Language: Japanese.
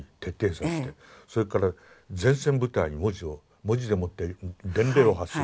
それから前線部隊に文字を文字でもって伝令を発する。